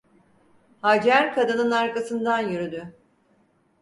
Hacer kadının arkasından yürüdü.